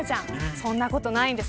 そんなことないんです。